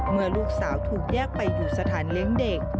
เมื่อลูกสาวถูกแยกไปอยู่สถานเลี้ยงเด็ก